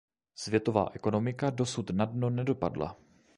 Světová ekonomika dosud na dno nedopadla.